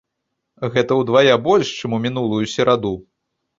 Гэта ўдвая больш, чым у мінулую сераду.